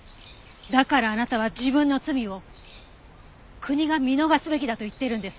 だからあなたは自分の罪を国が見逃すべきだと言っているんですか？